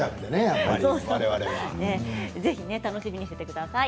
ぜひ楽しみにしていてください。